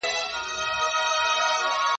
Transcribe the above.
زه هره ورځ د سبا لپاره د سوالونو جواب ورکوم!!